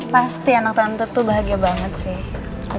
pasti anak tante tuh bahagia banget sih